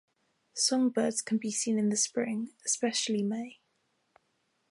Songbirds can be seen in the spring, especially May.